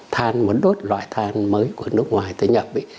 than muốn đốt loại than mới của nước ngoài tới nhập